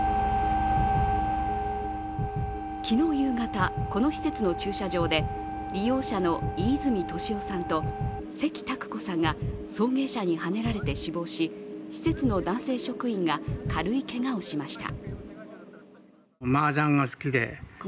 昨日夕方、この施設の駐車場で利用者の飯泉利夫さんと関拓子さんが送迎車にはねられて死亡し施設の男性職員が軽いけがをしました。